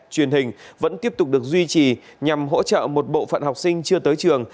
truyền hình vẫn tiếp tục được duy trì nhằm hỗ trợ một bộ phận học sinh chưa tới trường